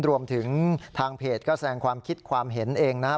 รวมถึงทางเพจก็แสงความคิดความเห็นเองนะครับ